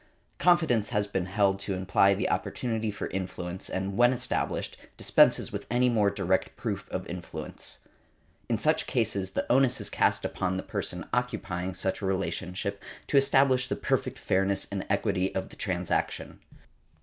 Confidence has been held to imply the opportunity for influence, and when established, dispenses with any more direct proof of influence. In such cases the onus is cast upon the person occupying such a relationship to establish the perfect fairness and equity of the transaction.